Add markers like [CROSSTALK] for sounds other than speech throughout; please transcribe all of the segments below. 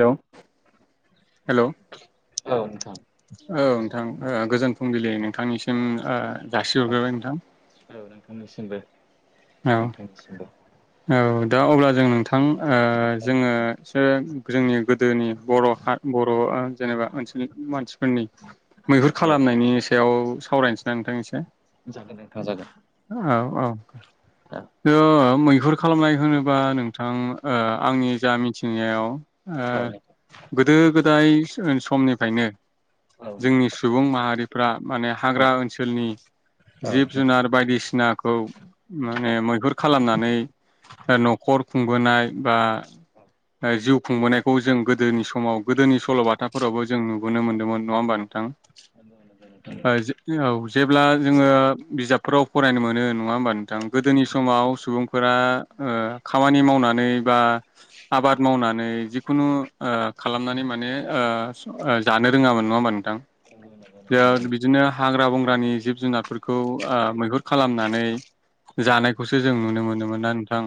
हेल' hello औ नोंथां। औ नोंथां गोजोन फुंबिलि नोंथांनिसिम ओ औ जासिहरग्रोबाय नोंथां। औ नोंथांनिसिमबो औ नोंथांनिसिमबो। औ दा अब्ला जों नोंथां ओ औ जोङो नोंथां एसे जोंनि गोदोनि बर आथ बर आद जेनेबा ओनसोलनि मानसिफोरनि मैहुर औ खालामनायनि सायाव सावरायनोसै ना नोंथां एसे। जागोन नोंथां जागोन औ औ। औ ओ मैहुर खालामनाय होनोबा नोंथां ओ आंनि जा मिथिनायाव ओ गोदो गोदाय समनिफायनो औ जोंनि सुबुं माहारिफ्रा माने औ हाग्रा ओनसोलनि जिब जुनार बायदिसिनाखौ ओ ओ मैहुर खालामनानै नखर खुंबोनाय बा नाय जिउ खुंबोनायखौ जों गोदोनि समाव गोदोनि सल बाथाफोरावबो जों नुबोनो मोन्दोंमोन नङा होमबा नोंथां। [UNINTELLIGIBLE] ब्ला जोङो बिजाबफोराव फरायनो मोनो नङा होमबा नोंथां। गोदोनि समाव सुबुंफोरा ओ खामानि मावनानै बा आबाद मावनानै जिखुनु ओ खालामनानै माने ओ जानो रोङामोन नङा होमबा। नोंथां। ज बिदिनो हाग्रा बंग्रानि जिब जुनारफोरखौ ओ मैहुर खालामनानै जानायखौसो जों नुनो मोनोमोनना नोंथां।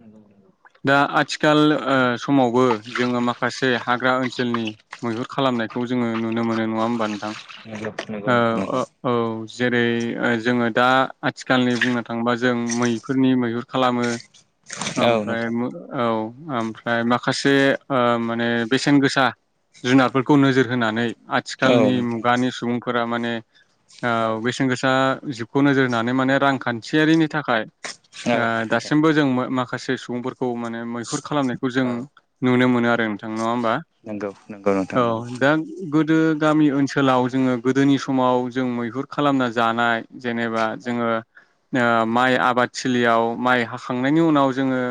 नंगौ दा आथिखाल ओ समावबो जोङो माखासे हाग्रा ओनसोलनि मैहुर खालामनाय जोङो नुनो मोनो नङा होमबा नोंथां। नोंगौ- नोंगौ ओ नोंथां नोंगौ। ओ औ जेरै ओ जोङो दा आथिखालनि बुंनो थांबा जों मै फोरनि मैहुर खालामो। ओमफ्राय औ। ओमफ्राय माखासे ओ माने बेसेन गोसा जुनारफोरखौ नोजोर होनानै नंगौ नोंथां नंगौ नंगौ आथिखालनि मुगानि सुबुंफोरा माने बेसेन गोसा जिबखौ नोजोर होनानै माने रांखान्थियारिनि थाखाय ओ दासिमबो जों मो माख खायसे सुबुंफोरखौ माने मैहुर खालामनायखौ जों नंगौ नोंथां नुनो मोनो आरो नोंथां नङा होमबा? नंगौ औ नोंथां औ नोंथां औ नोंथां औ दा गोदो गामि ओनसो सोलाव जोङो गोदोनि समाव जों मैहुर खालामना जानाय जेनेबा नंगौ नोंथां नंगौ औ जोङो ओ माइ आबादथिलियाव माइ हाखांनायनि उनाव जोङो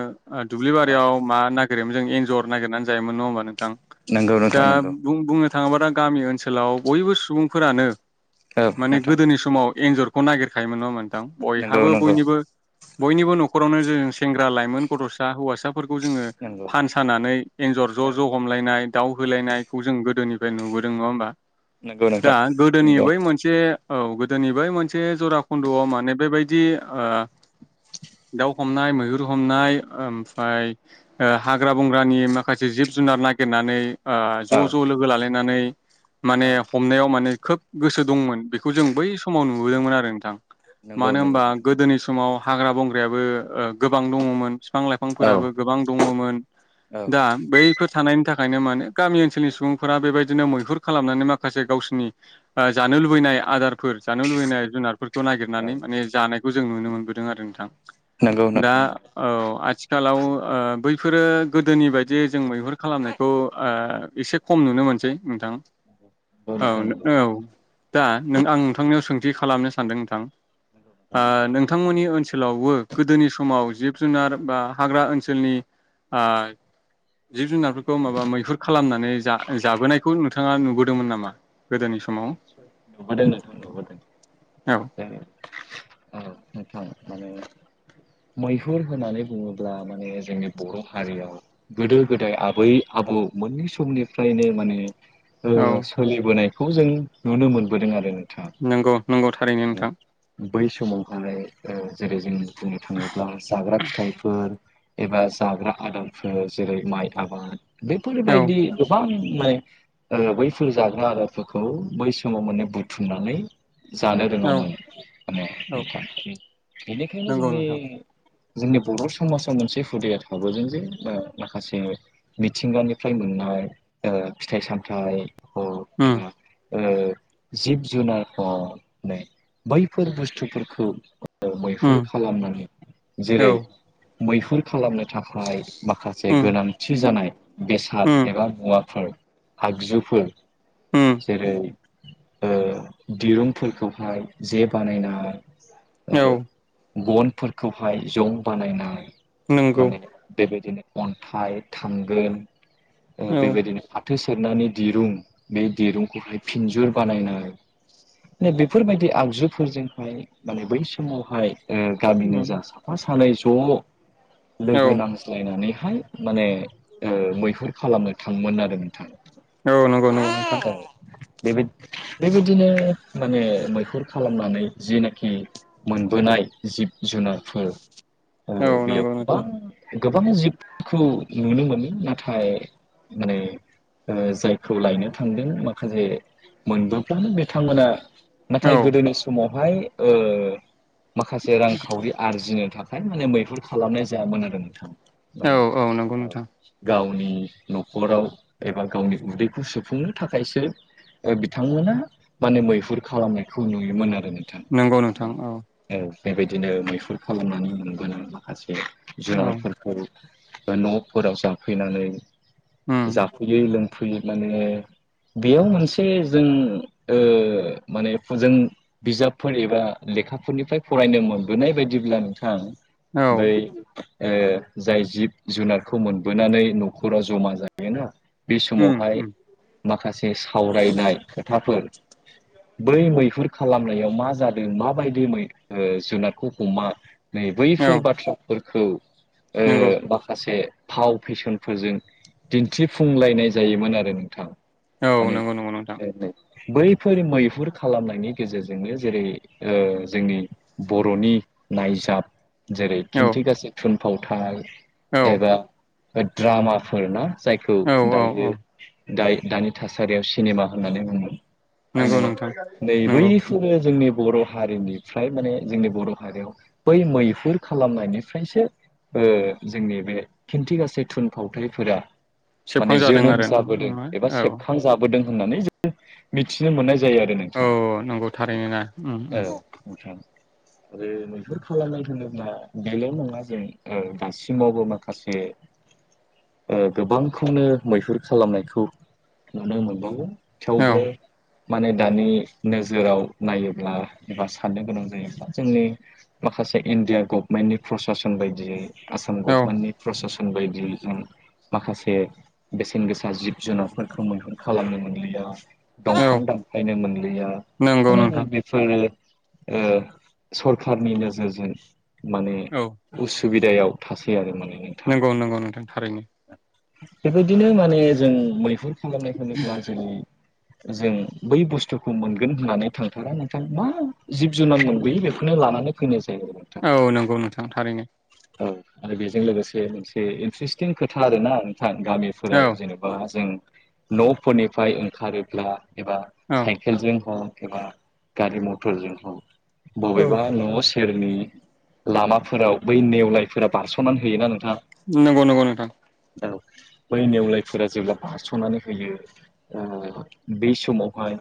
औ दुब्लिबारियाव मा नागिरोमोन जों एन्जर नागिरनानै जायोमोन नङा होमबा नोंथां? नंगौ नोंथां दा नंगौ बुं बुंनो थाङोबा दा गामि ओनसोलाव बयबो सुबुंफोरानो औ माने नोंथां गोदोनि समाव एन्जरखौ नागिरखायोमोन नङा होमबा नोंथां नंगौ बयहाबो नंगौ बयनिबो बयनिबो न'खरावनो जों सेंग्रा लाइमोन गथ'सा हौवासाफोरखौ जोङो नंगौ फान सानानै एन्जर ज' औ ज' हमलायनाय दाउ होलायनायखौ जों गोदोनिफ्राय नुबोदों नङा होमबा। नंगौ नोंथां दा गोदोनि नंगौ बै मोनसे औ गोदोनि बै मोनसे जरा खुन्द'आव माने बेबायदि ओ दाउ हमनाय मैहुर हमनाय ओमफाय ओ हाग्रा बंग्रानि माखासे जिब जुनार नागिरनानै औ ओ ज' ज' लोगो लालायनानै माने औ हमनायाव माने खोब गोसो दंमोन बेखौ जों बै समाव नुबोदोंमोन आरो नोंथां। नंगौ मानो नंगौ होनबा नोंथां गोदोनि समाव हाग्रा बंग्रायाबो ओ गोबां दंङमोन बिफां औ लाइफांफोराबो गोबां फां दंङमोन। औ दा बैफोर थानायनि थाखायनो माने गामि ओनसोलनि सुबुंफोरा बेबायदिनो मैहुर खालामनानै माखासे गावसोरनि ओ जानो लुबैनाय आदारफोर जानो लुबैनाय जुनारफोरखौ औ नागिरनानै माने जानायखौ जों नुनो मोनबोदों आरो नोंथां नंगौ दा नोंथां नंगौ औ आथिखालाव ओ बैफोरो गोदोनि बायदि जों मैहुर खालामनायखौ ओ एसे खम नुनो मोनसै नोंथां औ नोंथां नंगौ औ दा नों आं नोंथांनियाव सोंथि खालामनो सानदों नोंथां। ओ नोंथांमोननि ओनसोलावबो गोदोनि समाव जिब जुनार बा हाग्रा ओनसोलनि ओ जिब जुनारफोरखौ माबा मैहुर खालामनानै जा जाबोनायखौ नु नोंथांङा नुबोदोंमोन नामा? गोदोनि समाव जायो। मैहुर होननानै बुंङोब्ला माने जोंनि बर हारियाव गोदो गोदाय आबै आबौ मोननै समनिफ्रायनो माने ओ औ सोलिबोनायखौ जों नुनो मोनबोदों आरो। नोंथां नंगौ नंगौ थारैनो नोंथां। बै समावहाय ओ जेरै जों बा जाग्रा फिथाइफोर एबा जाग्रा आदारफोर जेरै माइ आबाद औ बेफोरबायदि गोबां माने बैफोर जाग्रा आदारफोरखौ बै समाव माने बुथुमनानै जानो औ रोंङामोन माने औ [UNINTELLIGIBLE] बेनिखायनो नंगौ जोंङो नोंथां जोंनि बर' समाजाव मोनसे हुदाया थाबोदों जे ओ माखासे मिथिंगानिफ्राय मोननाय ओ फिथाइ सामथाइ हक होम एबा ओ जिब जुनारखौनो बैफोर बुस्थुफोरखौ मैहुर उम खालामनानै औ जेरै मैहुर खालामनो थाखाय माखासे उम गोनांथि जानाय उम बेसाद एबा मुवाफोर आगजु फोर उम जेरै दिरुं फोरखौहाय जे बानायना औ बन फोरखौहाय जं बानायनाय नंगौ माने बे बायदिनो अन्थाइ थांगोन ओ औ बेबायदिनो फाथ फाथो सेरनानै दिरुं बे दिरुंखौहाय फिनजुर बानायनाय ने बेफोरबायदि आगजुफोरजोंहाय माने बै समावहाय ओ गामिनि उम जा साफा सानै ज' औ लोगो नांज्लायना नैहाय माने ओ मैहुर खालामनो थांङोमोन आरो नोंथां। औ नंगौ नंगौ नोंथां औ बेबाय बे बायदिनो माने मैहुर खालामनानै जे नाखि मोनबोनाय जिब जुनारफोर ओ औ बेयाव नंगौ गोबां नोंथां गोबां जिबफोरखौ नुनो मोनो नाथाय माने ओ जाय मोनबोगोन बिथांमोना औ नाथाय गोदोनि समावहाय ओ माखासे रांखावरि आरजिनो थाखाय माने मैहुर खालामनाय जायामोन आरो नोंथां। ओ औ औ नंगौ ओ नोंथां गावनि नखराव एबा गावनि उदै खौ सुफुंनो थाखायसो ओ बिथांमोना माने मैहुर खालामनायखौ नुयोमोन नंगौ नोंथां औ। बे बायदिनो मैहुर खालामनानै मोनबोनाय माखासे औ जुनारफोरखौ बा न'फोराव जाफैनानै उम जाफैयै लोंफैयै माने बेयाव मोनसे जों ओ माने जों बिजाबफोर एबा लेखाफोरनिफ्राय फरायनो मोनबोनाय बायदिब्ला नोंथां औ बै ए जाय जिब जुनारखौ मोनबोनानै न'खराव जमा जायोना बे समाव उम बेहाय उम माखासे सावरायनाय खोथाफोर [INAUDIBLE] बै मैहुर खालामनायाव मा जादों माबायदि जुनादखौ हमा नै बैफोर औ बाथ्राफोरखौ ओ नंगौ माखासे फाव फेसनफोरजों दिन्थिफुंलायनाय जायोमोन आरो नोंथां। औ माने नंगौ नंगौ नोंथां बैफोर मैहुर खालामनायनि गेजेरजोंनो जेरै ओ जोंनि बर'नि नायजाब। जेरै औ खिन्थिगाासै थुनफावथाय औ एबा द्रामाफोर ना। जायखौ औ औ औ दायो दाय- दानि थासारियाव सिनेमा होननानै बुंङोमोन। नंगौ माने नोंथां नै नंगौ बैखौबो जोंनि बर' हारिनिफ्राय माने जोंनि बर' हारियाव बै मैहुर खालामनायनिफ्रायसो ओ जोंनि बे खिन्थिगासै थुनफावथायफोरा सेबखां जा जोनोम जाबोदों एबा सेबखां जाबोदों होननानै जों मिथिनो मोननाय जायो आरो औ नोंथाङा नंगौ थारैनो ना उम औ उम नोंथां। आरो मैहुर खालामनाय होनोब्ला बेल' नङा जों ओ दासिमावबो माखासे [INAUDIBLE] ओ गोबांखौनो मैहुर खालामनायखौ नुनो मोनबावो औ थेवबो माने दानि नोजोराव नायोब्ला एबा साननो गोनां जायोब्ला जोंनि माखा सासे इण्डिया गभनमेन्टनि प्रससन बायदियै आसाम औ गभमेन्टनि प्रसासन बायदियै जों माखासे बेसेन गोसा जिब जुनारफोरखौ महुर खालामनो मोनलिया औ दंफां दानफायनो मोनलिया नंगौ माने नै नोंथां बेफोरो ओ सरखारनि नोजोरजों माने औ उस सुबिदायाव थासै आरो माने नंगौ नंगौ नोंथां थारैनो बेबायदिनो माने जों मैहुर खालामनाय होनोब्ला जेरै जों बै बुस्थुखौ मोनगोन होननानै थांथारा नोंथांा मा जिब जुनार मोनबोययो बेखौनो नो लानानै फैनोसै। औ नंगौ नोंथां थारैनो औ आरो बेजों लोगोसे मोनसे इन्ट्रेस्टिं खोथा आरोना नोंथां औ गामिफोराव जेनेबा जों न'फोरनिफ्राय ओंखारोब्ला एबा औ साइकेलजों हक एबा गारि मथरजों हक बबेबा न' सेरनि लामाफोराव बै नेवलायफोरा बारस'नानै होयोना नों नंगौ नगौ नोंथां। बै नेवलायफोरा जेब्ला बारस'नानै होयो ओ- बै समावहाय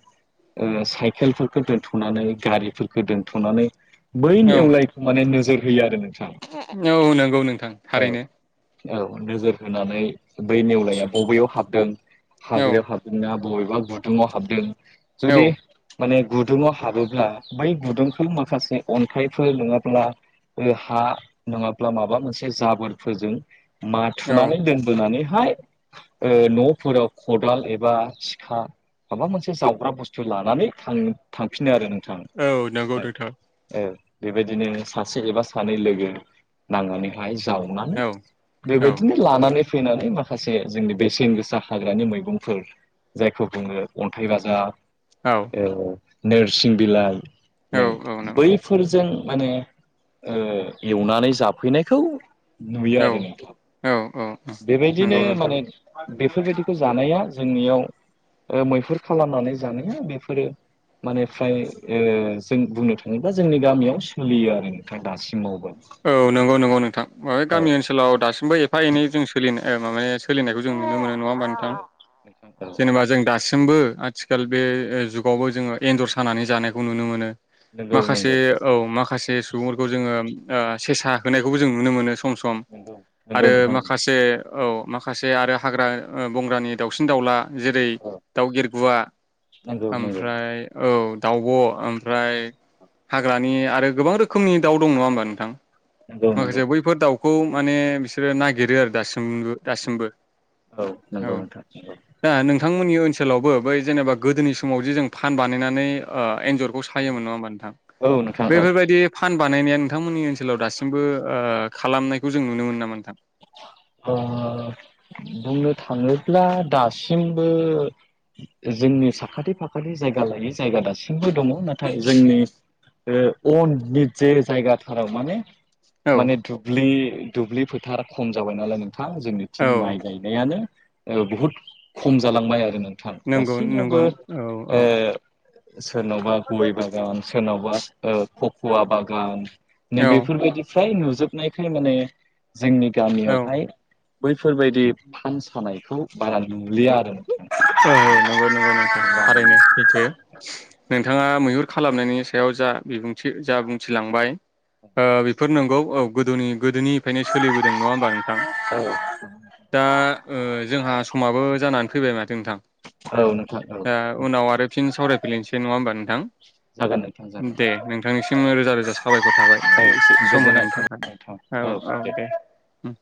साइकेलफोरखौ दोनथ'नानै गारिफोरखौ दोन्थ'नानै औ बैनि एवलायखौ माने नोजोर होयो आरो नों औ नंगौ नोंथां थारैनो औ नोजोर होनानै बै नेवलाया बबेयाव हाबदों औ हाग्रिायाव हाबदोंना बबेबा बुथुमाव हाबदों औ जुदि माने गुदुङाव हाबोब्ला बै गुदुंखौ माखासे अन्थाइफोर नङाब्ला ओ हा नङाब्ला माबा मोनसे जाबोरफोरजों औ माथुनानै दोन होननानैहाय ओ- न'फोराव खदाल एबा सिखा माबा मोनसे जावग्रा बुस्थु लानानै थां-थांफिनो आरो नों थां औ नंगौ स्लाय नोंथां औ बेबायदिनो सासे एबा सानै लोगो नांनानैहाय सो- जावनानै औ औ बेबायदिनो लानानै फैनानै माखासे जोंनि बेसेन गोसा हाग्रानि मैगंफोर जायखौ बुङो अन्थाइ बाजाब ओ- नोरसिं बिलाइ औ नै औ नंगौ बैफोरजों माने ओ एवनानै जाफैनायखौ नुयो औ आरो नोंथां औ औ औ बेबायदिनो नंगौ नोंथां माने बेफोरबायदिखौ जानाया। जोंनियाव ओ मैहुर खालामनानै जानाया बेफोरो माने फ्राय ओ जों बुंनो थाङोब्ला जोंनि गामियाव सोलियो आरो नोंथां दासिम औ नंगौ नंगौ नोंथां बे औ गामि ओनसोलाव दासिमबो एफा एनै जों सो सोलिनो ओ माने सोलिनायखौ जों नुनो मोनो नङा होमबा नोंथां नोंथां औ जेनेबा जों दासिमबो आथिखाल बे जुगावबो जोङो एन्जर सानानै जानायखौ नुनो मोनो। नंगौ माखासे नंगौ औ माखासे सुबुंफोरखौ जोङो सेसा होनायखौबो जों नुनो मोनो। सम सम नंगौ नंगौ आरो नोंथां नंगौ माखासे औ माखासे आरो हाग्रा ओ- बंग्रानि दाउसिन दाउला। जेरै औ दाउगिरगुवा नंगौ नंगौ ओमफ्राय औ दाउब' ओमफ्राय हाग्रानि आरो गोबां रोखोमनि दाउ दं नङा होनोमबा नों थां नंगौ नंगौ माखासे बैफोर दाउखौ माने बिसोरो नागिरो आरो दासिम उम दासिमबो औ नंगौ औ नोंथां नंगौ दा नों बिथांमोननि ओनसोलावबो बै जेनेबा गोदोनि समाव जे जों फान बानायनानै ओ एन्जर बेखौ औ सायोमोन नङा होनबा नोंथां औ नोंथां औ बेफोरबादि फान बानायनाया नोंथांमोननि ओनसोलाव दासिमबो ओ खालामनायखौ जों नुनो मोनो नामा नोंथां? ओ- बुंनो थाङोब्ला दासिमबो जोंनि साखाथि फाखाथि जायगा लायै जायगा दासिमबो दङ नाथाय जोंनि। ओ अन नि जे जायगा थाराव माने औ माने दुब्लि दुब्लि फोथार खम जाबाय नालाय नों थां जोंनिथिं औ माइ गायनायानो ओ बुहुत खम जालांबाय आरो नों थां नंगौ नंगौ गासैावबो औ औ ओ- सोरनावबा गय बागान सोरनावबा ओ- फखवा बागान औ नैबेफोरबायदि फ्राय नुजोबनायखाय माने जोंनि औ गामियावहाय बैफोरबायदि फाम सानायखौ बारा नुलिया आरो नोंथां औ नंगौ नंगौ नोंथां नुला थारैनो सैथो नों बिथाङा मैहुर खालामनायनि सायाव जा बिबुंथि जा बुंथिलांबाय ओ बेफोर नंगौ औ गोदोनि गोदोनिफ्रायनो सोलिबोदों नङा होमबा नोंथां दा ओ जोंहा समाबो। जानानै फैबाय माथो नोंथां आरो नोंथां औ नोंथां औ दा उनाव आरो फिन सावरायफैलायनोसै नङा होमबा नों जागोन। नोंथां जागोन दे नोंथांनिसिम रोजा रोजा साबायखर थाबाय औ एसे सम गोजोननाय होनायनि थाबाय नोंथां थाखाय। औ औ दे उम।